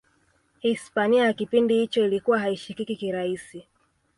hispania ya kipindi hicho ilikuwa haishikiki kirahisi